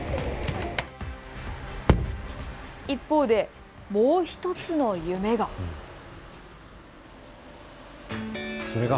一方で、もう１つの夢が。